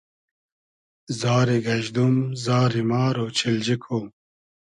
زاری گئژدوم ، زاری مار اۉچیلجی کو